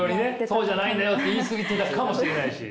そうじゃないんだよって言い過ぎてたかもしれないし。